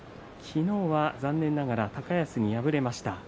昨日は残念ながら高安に敗れました。